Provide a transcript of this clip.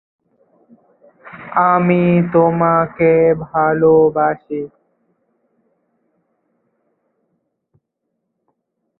রচনা ও পরিচালনা ছাড়া রবীন্দ্রনাথ এই ছবিটিতে অভিনয়ও করেছিলেন।